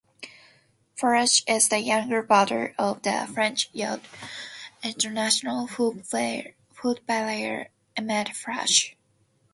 Faraj is the younger brother of the French youth international footballer Imad Faraj.